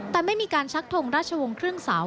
แต่ไม่มีการชักทงราชวงศ์ครึ่งเสา